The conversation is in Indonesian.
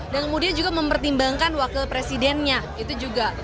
dan kemudian juga mempertimbangkan wakil presidennya itu juga